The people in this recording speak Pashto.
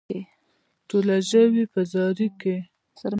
ټوله ژوي په زاري کې.